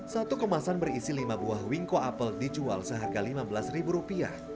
satu kemasan berisi lima buah wingko apple dijual seharga rp lima belas